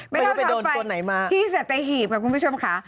ไม่รู้ว่าไปโดนตัวไหนมาแม่เท้าเท้าไฟพี่สัตเทฮีบค่ะคุณผู้ชมค่ะ